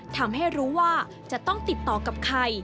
ทำให้รู้ว่าจะต้องติดต่อกับใคร